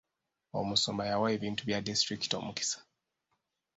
Omusumba yawa ebintu bya disitulikiti omukisa.